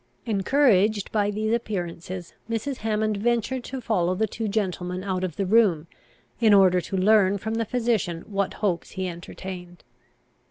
Encouraged by these appearances, Mrs. Hammond ventured to follow the two gentlemen out of the room, in order to learn from the physician what hopes he entertained.